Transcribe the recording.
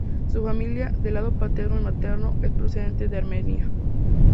Su familia, del lado paterno y materno, es procedente de Armenia.